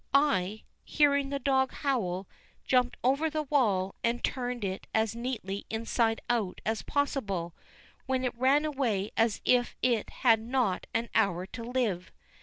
I, hearing the dog howl, jumped over the wall; and turned it as neatly inside out as possible, when it ran away as if it had not an hour to live.